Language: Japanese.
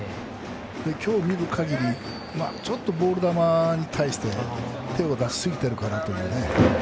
今日見るかぎりちょっとボールに対して手を出しすぎているかなという。